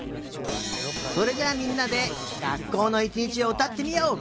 それじゃみんなでがっこうのいちにちをうたってみよう。